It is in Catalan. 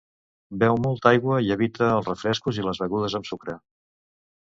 Beu molta aigua i evita els refrescos i les begudes amb sucre.